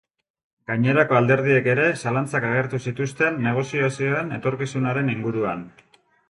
Gainerako alderdiek ere zalantzak agertu zituzten negoziazioen etorkizunaren inguruan.